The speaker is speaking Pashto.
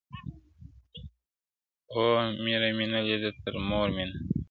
o ميره مي نه ليده، تر مور مينه.